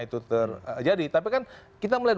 itu terjadi tapi kan kita melihat